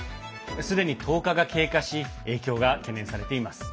すでに１０日が経過し影響が懸念されています。